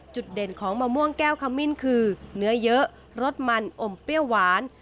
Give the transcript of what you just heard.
เด่นของมะม่วงแก้วขมิ้นคือเนื้อเยอะรสมันอมเปรี้ยวหวาน